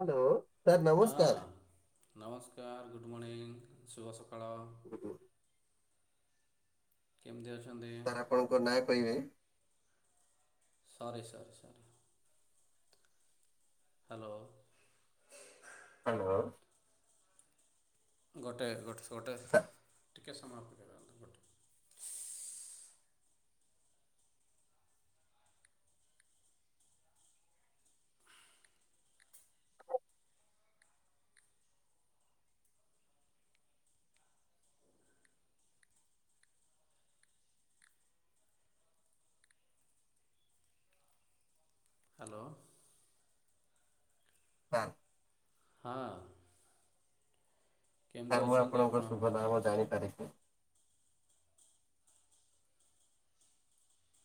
Hello sir ହଁ ନମସ୍କାର। ନମସ୍କାର ଗୋଟେ। ଗୁଡ଼୍ ମର୍ଣ୍ଣିଂ ଶୁଭ ସ। [inaudible] କେମଇ ଅ। ସାର୍ ଆପଣଙ୍କ ନାଁ କହିବେ ସରି ସରି ସ ହ୍ୟାଲୋ ହ୍ୟାଲୋ ଗୋଟେ ଗୋଟେ ସେକେଣ୍ଡ ଛୋଟେ ଟିକେ ସମାପ୍ତି କରିବାନ୍ତ ବଟୁ ହ୍ୟାଲୋ [inaudible] ହଁ କେମିତି ସାର୍ ମୁଁ ଅଛନ୍ତି ଆପଣଙ୍କ ଆପଣ ଶୁଭ ନାମ ଜାଣିପାରେ କି?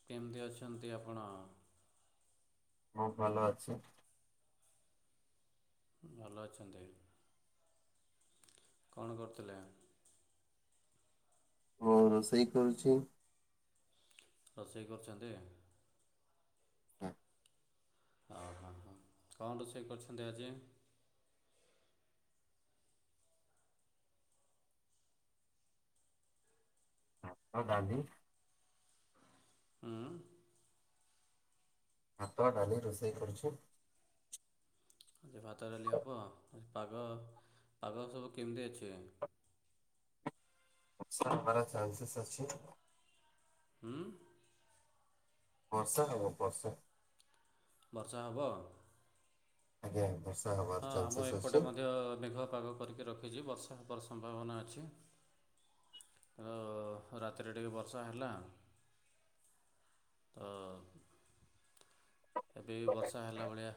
କେମିତି ଅଛନ୍ତି ଆପଣ? ଖୁବ୍ ଭଲ ଅଛି। ଭଲ ଅଛନ୍ତି। କଣ କରୁଥିଲେ ଆ ମୁ ରୋଷଇ କରୁଛି। ରୋଷେଇ କରୁଛନ୍ତି। [inaudible] ଓହୋ। କଣ ରୋଷେଇ କରୁଛନ୍ତି ଆଜି? ଭାତ, ଡାଲି ହୁଁ। ଭାତ, ଡାଲି ରୋଷେଇ କରୁଛି। ଭାତ ଡାଲି ହବ। ପାଗ ପାଗ ସବୁ କେମିତି ଅଛି? ବର୍ଷା ହେବାର ଚନ୍ସେସ ଅଛି। ହୁଁ? ବର୍ଷା ହେବ ବର୍ଷା। ବର୍ଷା ହବ? ଆଜ୍ଞା ବର୍ଷ୍ ହଁ ଆମ ଏପଟେ ମଧ୍ୟ ମେଘୁଆ ପାଗ କରିକି ରଖିଛି ବର୍ଷ୍ ର୍ଷା ହେବାର ସମ୍ଭାବନା ଅଛି। ତ ରାତିରେ ଟିକେ ବର୍ଷା ହେଲା ତ ଏବେ ବି ବର୍ଷା ହେଲା ଭଳିଆ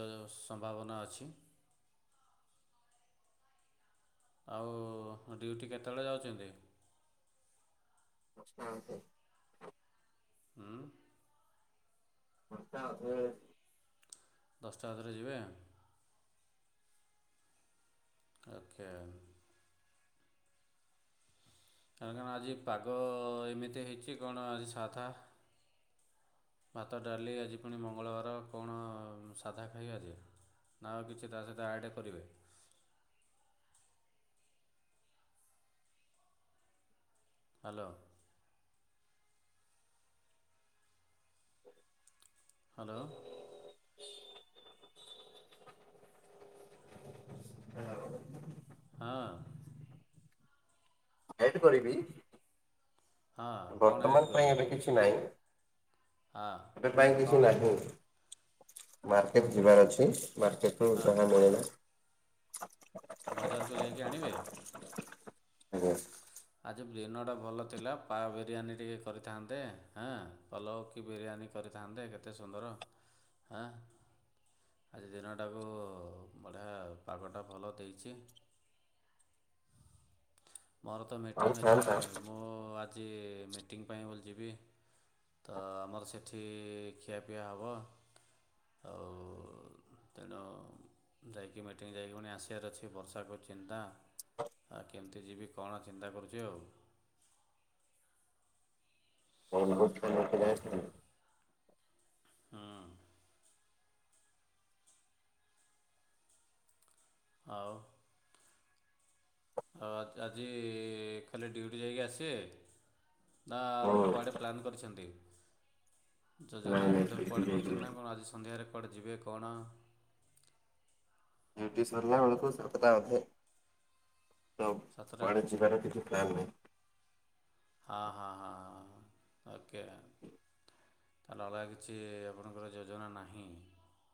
ଜ ସମ୍ଭାବନା ଅଛି। ଆଉ ଡ୍ୟୁଟି କେତେବେଳେ ଯାଉଚନ୍ତି? ଦଶ୍ ଟା ଅଧେ। ହୁଁ। ଦଶ୍ ଟା ଅଧେ। ଦଶଟା ଅଧେ ରେ ଯିବେ। [unintelligible] [unintelligible] ଆଜି ପାଗ ଏମିତି ହେଇଚି କଣ ଆଜି ସାଧା। ଭାତ, ଡାଲି ଆଜି ପୁଣି ମଙ୍ଗଳବାର କଣ ସାଧା ଖାଇବେ ଆଜି ନା ଆଉ କିଛି ତା ସହିତ ଆଡ଼୍ କରିବେ? ହ୍ୟାଲୋ। ହାଲୋ ହଁ। ଏଡ୍ କରିବି? ହଁ କ'ଣ ଏଡ୍ ବର୍ତ୍ତମାନ ପାଇଁ କରିବେ ଏବେ କିଛି ନାହିଁ। ହଁ ଏବେ ପାଇଁ କ'ଣ କିଛି ନାହିଁ। ମାର୍କେଟ ଯିବାର ଅଛି ମାର୍କେଟରୁ ହଁ ଯାହା ମିଳିଲା। ବଜାରକୁ ଯାଇକି ଆଣିବେ [unintelligible] ଆଜି ବି ଦିନଟା ଭଲ ଥିଲା ପା ବିରିୟାନୀ ଟିକେ କରିଥାନ୍ତେ ହେଁ ପଲଉ କି ବିରିୟାନୀ କରିଥାନ୍ତେ। କେତେ ସୁନ୍ଦର ଏଁ ଆଜି ଦିନଟାକୁ ବଢ଼ିଆ ପାଗଟା ଭଲ ଦେଇଚି। ମୋର ତ ଆଉ ମିଟିଂ ଅଛି। ଖାଆନ୍ତା ମୁଁ ଆଜ୍ ଆଜି ମିଟିଙ୍ଗ ପାଇଁ ବୋଲି ଯିବି ତ ଆମର ସେଠି ଖିଆପିଆ ହେବ ଆଉ ତେଣୁ ଯାଇକି ମିଟିଂ ଯାଇକି ପୁଣି ଆସିବାର ଅଛି। ବର୍ଷାକୁ ଚିନ୍ତା ଆଉ କେମିତି ଯିବି? କଣ ଚିନ୍ତା କରୁଚି ଆଉ। [inaudible] ଆଉ। ଆଉ ଆଜ ଆଜି ଖାଲି ଡ୍ୟୁଟି ଯାଇକି ଆସିବେ। ନା ଆଉ କୁଆଡ଼େ ପ୍ଲାନ୍ କରିଛନ୍ତି। ଯୋଜନା ବୋଧ କୁଆଡେ କରିଚନ୍ତି ନା କଣ ଆଜି। ସନ୍ଧ୍ୟାରେ କୁଆଡ଼େ ଯିବେ କଅଣ? ଡିଉଟି ସରଲା ବେଳକୁ ସତଟା ଅଧେ। ତ ସାତଟା କୁଆଡେ ଯିବାର କିଛି ପ୍ଲାାନ ନାହିଁ। ହଁ ହଁ ହଁ ହଁ ହଁ। ଓକେ। ତାହେଲେ ଅଲଗା କିଛି ଆପଣଙ୍କର ଯୋଜନା ନାହିଁ।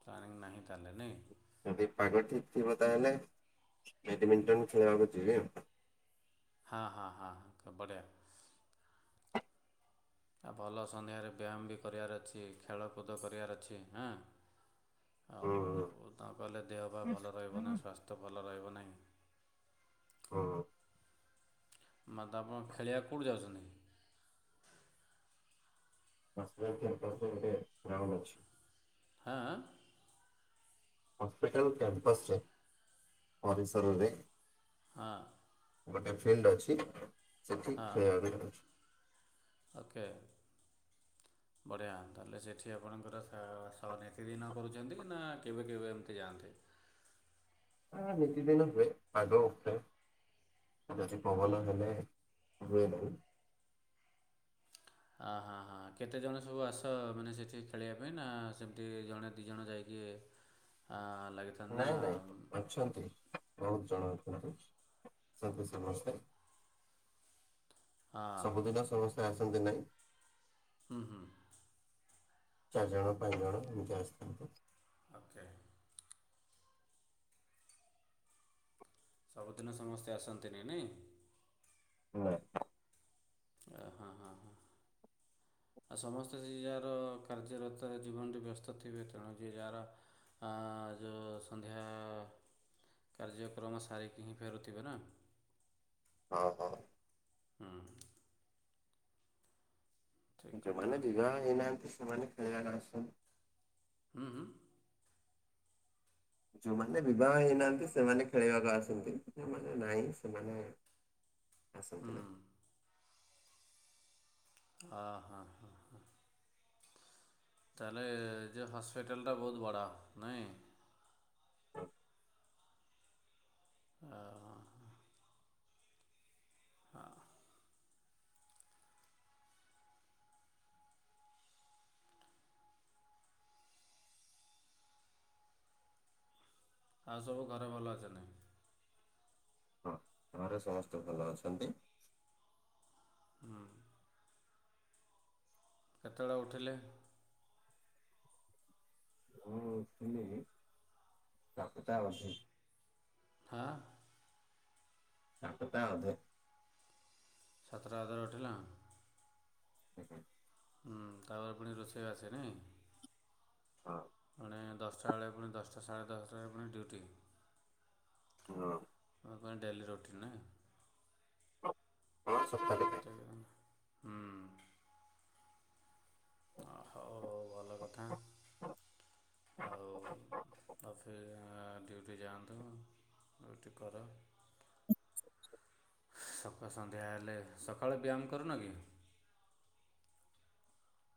ପ୍ଲାନିଂ ନାହିଁ ତାହେଲେ ନାଇଁ। ଯଦି ପାଗ ଠିକ ଥିବ ତାହେଲେ ବେଡମିଣ୍ଟନ ଖେଳିବାକୁ ଯିବି ଆଉ। ହଁ ହଁ ହଁ ବଢିଆ। ଆଉ ଭଲ ସନ୍ଧ୍ୟାରେ ବ୍ୟାୟାମ ବି କରିବାର ଅଛି ଖେଳକୁଦ କରିବାର ଅଛି ହଁ ଆଉ ତା ଗଲେ ଦେହ ବା ଭଲ ରହିବ ନା। ସ୍ୱାସ୍ଥ୍ୟ ଭଲ ରହିବ ନାହିଁ। ହଁ। ମାତ ଆପଣ ଖେଳିବାକୁ କୋଉଠି ଯାଉଛନ୍ତି? [unintelligible] ଗ୍ରାମ୍ ଅଛି। ହାଁ ଆଁ। ହସ୍ପିଟାଲ କ୍ୟାମ୍ପସରେ ପରିସରରେ। ହଁ। ଗୋଟେ ଫ୍ରେଣ୍ଡ୍ ଅଛି। ସେଠି। ହାଁ [unintelligible] ଓକେ, ବଢ଼ିଆ ତାହେଲେ ସେଠି ଆପଣଙ୍କର ସା ସହ ନିତିଦିନ କରୁଛନ୍ତି କି ନା କେବେ କେବେ ଏମିତି ଯାଆନ୍ତି? ହଁ ନିତି ଦିନ ହୁଏ ପାଗ ଉପରେ ଯଦି ପବନ ହେଲେ ହୁଏ ଭୁଲ୍। ଆ ହାଁ-ହାଁ-ହାଁ କେତେଜଣ ସବୁ ଆସ ମାନେ ସେଠି ଖେଳିବା ପାଇଁ ନା ସେମିତି ଜଣେ ଦି ଜଣ ଯାଇକି ଆ ନାଇଁ ନାଇଁ ଅଛନ୍ତି ବହୁତ। ଜଣାଉଛନ୍ତି ସବୁ ସମସ୍ତେ। ହଁ ସବୁଦିନ ସମସ୍ୟା ଆ ନ୍ତି ନାହିଁ। ହୁଁ ହୁଁ। ଚାରି ଜଣ ପାଞ୍ଚ ଜଣ ନିଜେ ଆସିଥାନ୍ତି। ଓକେ। ସବୁଦିନ ସମସ୍ତେ ଆସନ୍ତି ନାଇଁ, ନାଇଁ? ନା। ଓ ହଁ-ହଁ-ହଁ ଆଉ ସମସ୍ତେ ସେ ଯାହାର କାର୍ଯ୍ୟରତରେ ଜୀବନଟି ବ୍ୟସ୍ତ ଥିବେ ତେଣୁ ଯିଏ ଯାହାର ଯେଉଁ ସନ୍ଧ୍ୟା କାର୍ଯ୍ୟକ୍ରମ ସାରିକି ହିଁ ଫେରୁଥିବେ ନା। ହ ହ। ହୁଁ। ଠିକ୍ ଯୋଉ କଥା ମାନେ ବିବାହ ହେଇନାହାନ୍ତି। ସେମାନେ ଖେଳିବାକୁ ଆସନ୍। ହୁଁ ହୁଁ ଯୋଉମାନେ ବିବାହ ହେଇନାହାନ୍ତି, ସେମାନେ ଖେଳିବାକୁ ଆସନ୍ତି, ଯୋଉମାନେ ନାଇଁ ସେମାନେ ହୁଁ ଆସନ୍ନ୍ତି ନାଇ। ହ- ହଁ- ହଁ -ହଁ। ତାହେଲେ ଯେ ହସ୍ପିଟାଲଟା ବହୁତ ବଡ଼, ନାଇଁ? ଓ ହଁ-ହଁ-ହଁ। ହଁ। ଆଉ ସବୁ ଘରେ ଭଲ ଅଛନ୍ତି? ହଁ, ଘରେ ସମସ୍ତେ ଭଲ ଅଛନ୍ତି। ହୁଁ। କେତେବେଳେ ଉଠିଲେ? ମୁଁ ଥିଲି [unintelligible] ହାଁ। ସାତଟା ଅଧେ। ସାତଟା ଅଧେରେ ଉଠିଲ? ହୁଁହୁଁ। ହୁଁ ତାପରେ ପୁଣି ରୋଷେଇ ଆଛି, ନାଇଁ? ଅ। ପୁଣି ଦଶଟା ବେଳେ ପୁଣି, ଦଶଟା ସାଢ଼େ ଦଶଟା, ବେଳେ ପୁଣି ଡ୍ୟୁଟି। ହଁ ତମ ପାଇଁ ଡେଲି ରୁଟିନ୍ ନାହି। ହଁ ସପ୍ତାହଟେ ପାଇଁ। ଦିନ ହୁଁ। ହଉ ଭଲ କଥା, ଆଉ ଅଫି ଡ୍ୟୁଟି ଯାଆନ୍ତୁ, ଡ୍ୟୁଟି କର, ସକାଳ ସନ୍ଧ୍ୟା ହେଲେ, ସକାଳେ ବ୍ୟାୟାମ କରୁନ କି?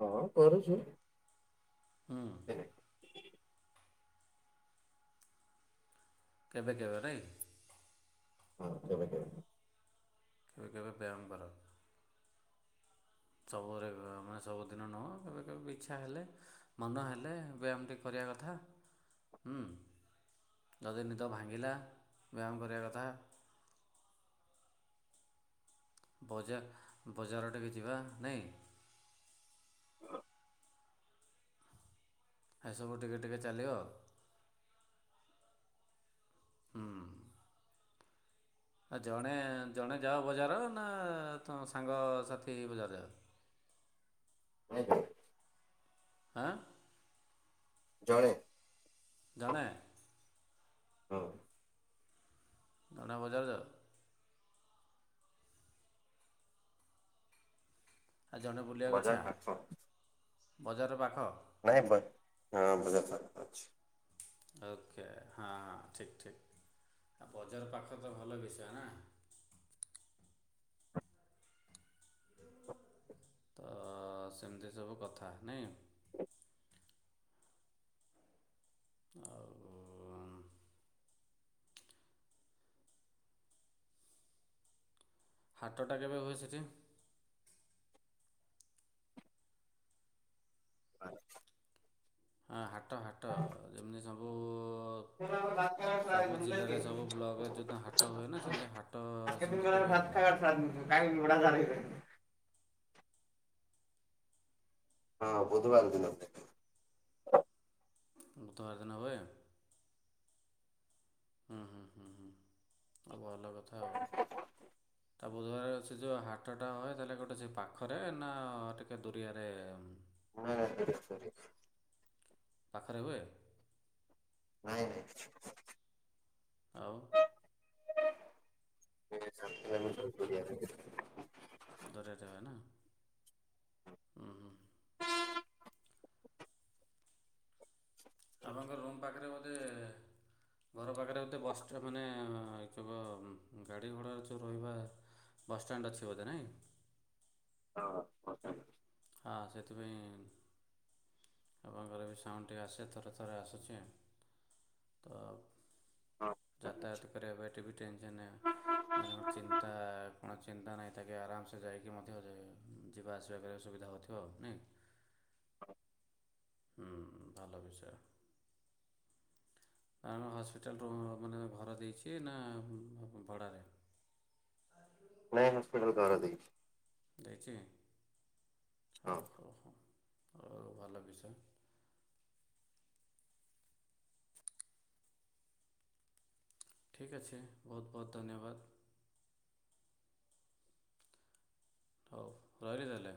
ହଁ କରୁଛି। ହୁଁ। କେବେ କେବେ ନାଇ। ହଁ କେବେ କେବେ। କେବେ କେବେ ବ୍ୟାୟାମ କର। ସବୁରେ ମାନେ ସବୁଦିନ ନୁହଁ କେବେ କେବେ ଇଚ୍ଛା ହେଲେ, ମନ ହେଲେ, ବ୍ୟାୟାମ ଟିକେ କରିବା କଥା, ଯଦି ନିଦ ଭାଙ୍ଗିଲା, ବ୍ୟାୟାମ କରିବା କଥା। ବଜାର ବଜାର ଟେ ବି ଯିବା ନାଇଁ। ହ ଏସବୁ ଟିକେ ଟିକେ ଚାଲିବ ଆଉ। ହୁଁ। ଆ ଜଣେ ଜଣେ ଯାଅ ବଜାର ନା ତମ ସାଙ୍ଗସାଥି ହେଇ ବଜାର ଯାଅ। ନାଇ ତ। ହାଁ। ଜଣେ। ଜଣେ। ହଁ। ଜଣେ ବଜାର ଯାଅ। ଆଉ ଜଣେ ବୁଲିବାକୁ ବଜାର ଇଛା। ପାଖ ବଜାର ପାଖ? ନାଇଁ ବା ହଁ ବଜ଼ାର ପାଖ ଅଛି। ଓକେ ହଁ ହଁ ଠିକ ଠିକ ବଜାର ପାଖ ତ ଭଲ ବିଷୟ ନା। ତ ସେମିତି ସବୁ କଥା ନାଇଁ। ଆଉ। ହାଟଟା କେବେ ହୁଏ ସେଠୀ। ଆ। ହଁ ହାଟ୍ ହଟ ହାଟ ଯେମିତିି। ସବୁ ଜିଲ୍ଲାରେ ସବୁ ବ୍ଲକରେ ଯେଉଁଦିନ ହାଟ ହୁଏ ନା ସେମିତି [unintelligible] ହାଟ ସେମିତି କେବେ ହୁଏ [unintelligible] ହଁ ବୁଧବାର ଦିନ ହୁଏ। ବୁଧବାର ଦିନ ହୁଏ। ହୁଁ ହୁଁ ହୁଁ ହୁଁ ଆଉ ଭଲ କଥା। ତ ବୁଧବାର ସେ ଯେଉ ହାଟ ଟା ହୁଏ ତାହେଲେ ଗୋଟେ ସେ ପାଖରେ ନା ଟିକେ ଦୁରିଆରେ। ନା ଦୁରିଆ ଦୁରିଆ। ପାଖରେ ହୁଏ। ନାଇଁ ନାଇଁ। ଆଉ। ଦୂରରେ ହୁଏ ନା। ଉଁ ହୁଁ ହୁଁ। ଆପଣଙ୍କ ରୁମ୍ ପାଖରେ ବୋଧେ ଘର ପାଖରେ ବୋଧେ ବସ ମାନେ ଏକବ ଗାଡ଼ି ଘୋଡ଼ାରେ ଯେଉ ରହିବା ବସଷ୍ଟାଣ୍ଡ ଅଛି ବୋଧେ ନାହିଁ। ହଁ ସେଥିପାଇଁ ଆପଣଙ୍କର ବି ସାଉଣ୍ଡୁ ଠିକେ ଆସେ ଥରେ ଥରେ ଆସୁଛି ତ ହଁ ଯାତାୟାତ କରିବା ଏବେଠି ବି ଟେନସନ୍ ମାନେ ଚିନ୍ତା କଣ ଚିନ୍ତା ନାହିଁ ତାକେ ଆରାମସେ ଯାଇକି ମଧ୍ୟ ଯିବା ଆସିବା କରିବା। ଅସୁବିଧା ହୋଉଥିବ ଆଉ ନାଇଁ। ହୁଁ ଭଲ ବିଷୟ ଆ ହସ୍ପିଟାଲରୁ ମାନେ ଘର ଦେଇଛି ନା ଭଡ଼ାରେ। ନାଇଁ ହସ୍ପିଟାଲ ଘର ଦେଇଚି଼। ଦେଇଛି। ହଁ। ହୋଉ ହୋଉ। ଆଉ ଭଲ ବିଷୟ ଠିକ ଅଛି ବହୁତ ବହୁତ ଧନ୍ୟବାଦ। ହୋଉ ରହିଲି ତାହେଲେ।